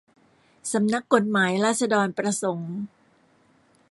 สำนักกฎหมายราษฏรประสงค์